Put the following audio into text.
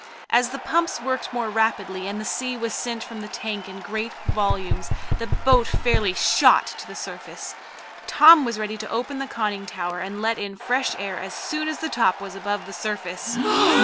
As the pumps worked more rapidly, and the sea was sent from the tank in great volumes, the boat fairly shot to the surface. Tom was ready to open the conning tower and let in fresh air as soon as the top was above the surface.